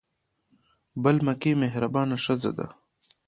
بل مکۍ مهربانه ښځه ده.